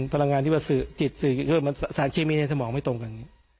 พลังงานที่ว่าสารเคมีในสมองไม่ตรงกัน